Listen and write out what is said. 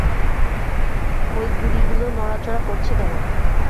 ওই গুঁড়িগুলো নড়াচড়া করছে কেন?